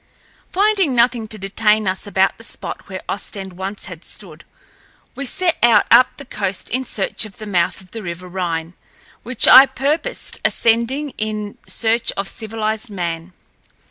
Finding nothing to detain us about the spot where Ostend once had stood, we set out up the coast in search of the mouth of the River Rhine, which I purposed ascending in search of civilized man.